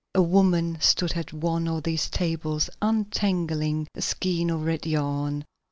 A woman stood at one of these tables untangling a skein of red yarn.